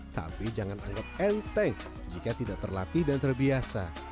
tapi jangan anggap enteng jika tidak terlatih dan terbiasa